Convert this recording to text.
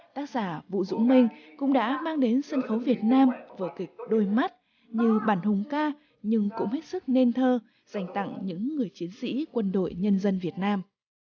tác giả vũ dũng minh cũng đã mang đến sân khấu việt nam vở kịch đôi mắt như bản hùng ca nhưng cũng hết sức nên thơ dành tặng những người chiến sĩ quân đội nhân dân việt nam